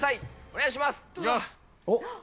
お願いします。